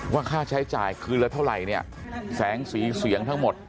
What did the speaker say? ค่าใช้จ่ายคืนละเท่าไหร่เนี่ยแสงสีเสียงทั้งหมด